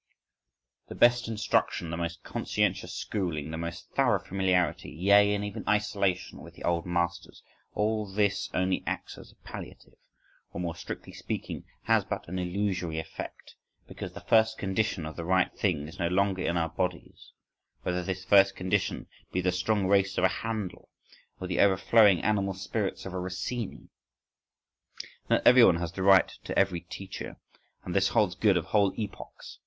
The best instruction, the most conscientious schooling, the most thorough familiarity, yea, and even isolation, with the Old Masters,—all this only acts as a palliative, or, more strictly speaking, has but an illusory effect, because the first condition of the right thing is no longer in our bodies; whether this first condition be the strong race of a Handel or the overflowing animal spirits of a Rossini. Not everyone has the right to every teacher: and this holds good of whole epochs.